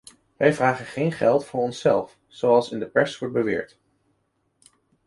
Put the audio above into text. Wij vragen geen geld voor onszelf, zoals in de pers wordt beweerd.